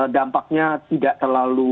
dampaknya tidak terlalu